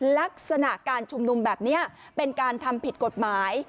ลักษณะการชุมนุมแบบนี้เป็นการทำผิดกฎหมาย